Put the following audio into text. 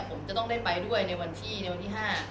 ผมก็ต้องไปด้วยในวันที่ไหนอยู่ในวันที่๕